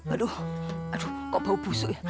aduh aduh kok bau busuk ya